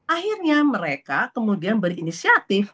akhirnya mereka kemudian berinisiatif